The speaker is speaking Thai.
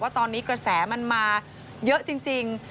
ตอนนี้กระแสมันมาเยอะจริง